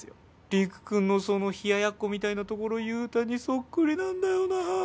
陸くんのその冷ややっこみたいなところ佑太にそっくりなんだよなあ。